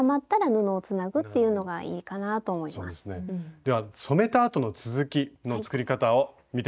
では染めたあとの続きの作り方を見てみましょう。